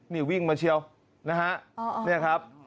นี่วิ่งมาเชียวนะครับ